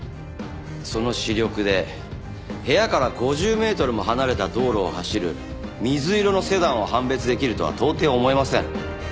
その視力で部屋から５０メートルも離れた道路を走る水色のセダンを判別できるとは到底思えません。